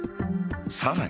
さらに。